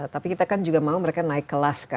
tapi kita kan juga mau mereka naik kelas kan